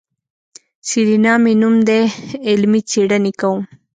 سېرېنا مې نوم دی علمي څېړنې کوم.